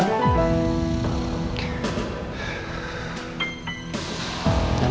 andin keracunan pak